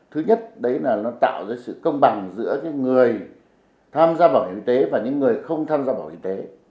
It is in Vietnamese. thứ nhất đấy là nó tạo ra sự công bằng giữa người tham gia bảo hiểm y tế và những người không tham gia bảo hiểm y tế